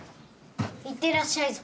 いってらっしゃいぞ。